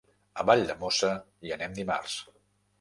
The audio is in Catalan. A Valldemossa hi anem dimarts.